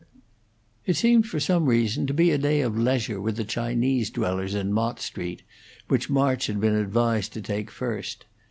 It seemed for some reason to be a day of leisure with the Chinese dwellers in Mott Street, which March had been advised to take first.